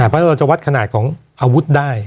เพราะเราจะวัดขนาดของอาวุธได้